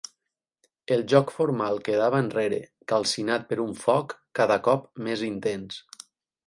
El joc formal quedava enrere, calcinat per un foc cada cop més intens.